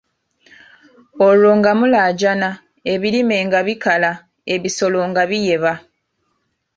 "Olwo nga mulaajana, ebirime nga bikala, ebisolo nga biyeba."